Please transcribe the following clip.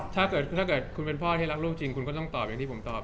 ถ้าเกิดคุณเป็นพ่อที่รักลูกจริงคุณก็ต้องตอบอย่างที่ผมตอบ